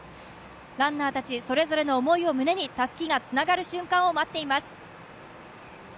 ランナーたちそれぞれの思いを胸に、たすきがつながる瞬間を待っています。